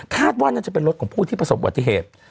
คาดว่าน่าจะเป็นรถของผู้ที่ผสมวัตถิเหตุ